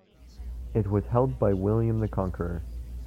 It was held by William the Conqueror.